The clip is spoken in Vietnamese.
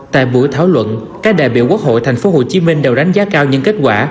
tại buổi thảo luận các đại biểu quốc hội thành phố hồ chí minh đều đánh giá cao những kết quả